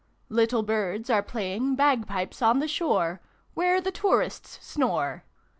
Little Birds are playing Bagpipes on the shore, Where the tourists snore